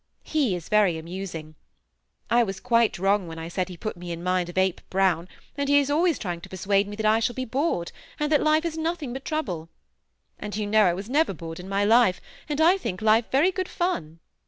He is very amusing. I was quite wrong when I said he put me in mind of Ape Brown, and he is always trying to persuade me that I shall be bored, and that life is nothing but a trouble ; and you know, I never was bored in my life, and I think life very good fun.